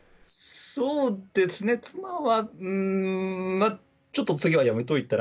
そうですね、妻は、ちょっと次はやめといたら？